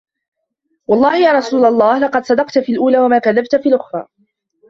وَاَللَّهِ يَا رَسُولَ اللَّهِ لَقَدْ صَدَقْت فِي الْأُولَى وَمَا كَذَبْت فِي الْأُخْرَى